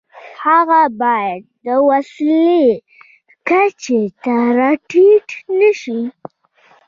هغه باید د وسیلې کچې ته را ټیټ نشي.